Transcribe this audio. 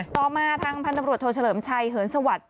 ต่อมาทางพันธบรวจโทเฉลิมชัยเหินสวัสดิ์